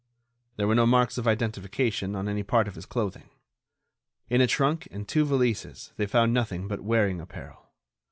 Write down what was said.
There were no marks of identification on any part of his clothing. In a trunk and two valises they found nothing but wearing apparel.